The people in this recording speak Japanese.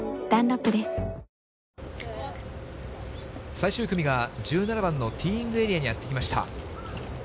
最終組が１７番のティーイングエリアにやって来ました。